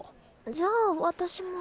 じゃあ私も。